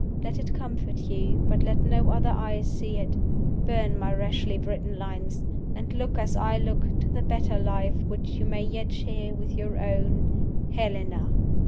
Let it comfort you, but let no other eyes see it. Burn my rashly written lines, and look (as I look) to the better life which you may yet share with your own "HELENA."